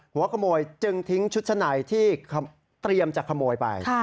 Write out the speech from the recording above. หัวขโมยจึงทิ้งชุดชั้นในที่เตรียมจะขโมยไป